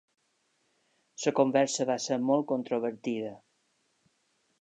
La conversa va ser molt controvertida.